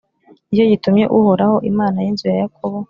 Ni cyo gitumye Uhoraho, Imana y’inzu ya Yakobo,